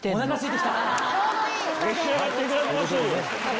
召し上がっていただきましょうよ。